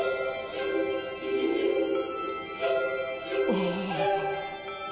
ああ。